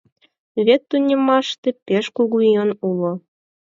Вет тунеммаште пеш кугу йӧн уло.